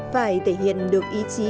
phải thể hiện được ý chí